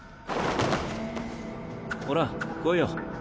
ほら来いよ。